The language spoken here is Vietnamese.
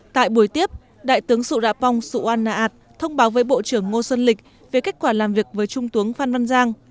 tại buổi tiếp đại tướng su ra pong su wan naat thông báo với bộ trưởng ngô xuân lịch về kết quả làm việc với trung tướng phan van giang